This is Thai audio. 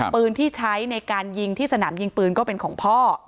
ปืนที่ใช้ในการยิงที่สนามยิงปืนก็เป็นของพ่อ